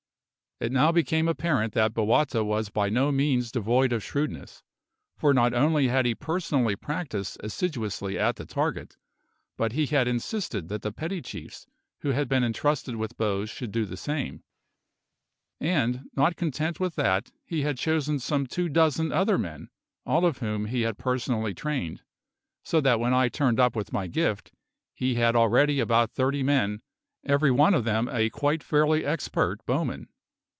It now became apparent that Bowata was by no means devoid of shrewdness, for not only had he personally practised assiduously at the target, but he had insisted that the petty chiefs who had been entrusted with bows should do the same; and, not content with that, he had chosen some two dozen other men, all of whom he had personally trained; so that when I turned up with my gift he had already about thirty men, every one of them a quite fairly expert bowman.